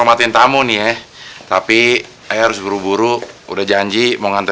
paku paku dicabutin dong